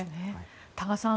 多賀さん